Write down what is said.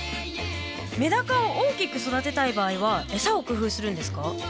メダカを大きく育てたい場合は餌を工夫するんですか？